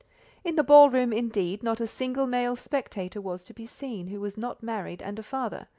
In the ball room, indeed, not a single male spectator was to be seen who was not married and a father—M.